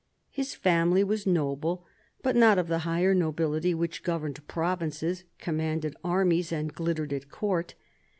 His family was noble, but not of the higher nobility which governed provinces, commanded armies, and glittered at Court.